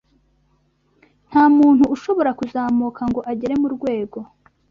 Nta muntu ushobora kuzamuka ngo agere mu rwego